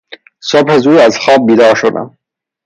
صبح زود از خواب بیدار شدم.